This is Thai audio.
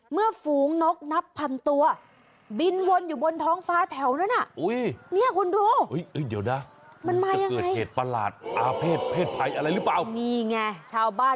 ฝูงนกนับพันตัวบินวนอยู่บนท้องฟ้าแถวนั้น